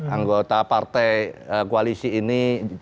anggota partai koalisi ini